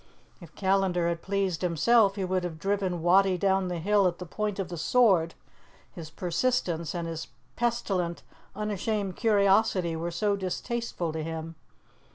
If Callandar had pleased himself he would have driven Wattie down the hill at the point of the sword, his persistence and his pestilent, unashamed curiosity were so distasteful to him.